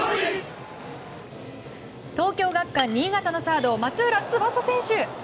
東京学館新潟のサード松浦翼選手。